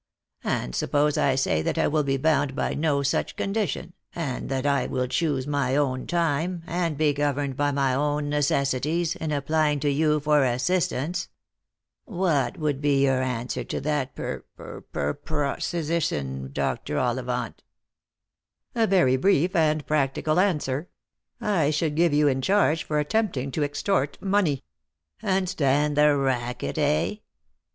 " And suppose I say that I will be bound by no such con dition, that I will choose my own time, and be governed by my 274 Lost for Love. own necessities, in applying to you for assistance ? What would be your answer to that per p p ropersition, Dr. Ollivant?" " A very brief and practical answer. I should give you in charge for attempting to extort money." "And stand the racket, eh